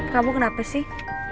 kamu kenapa sih